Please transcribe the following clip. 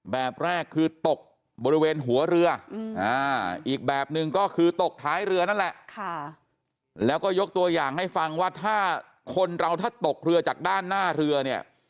แบบแรกคือตกบริเวณหัวเรืออีกแบบหนึ่งก็คือตกท้ายเรือนั่นแหละแล้วก็ยกตัวอย่างให้ฟังว่าถ้าคนเราถ้าตกเรือจากด้านหน้าเรือเนี่ย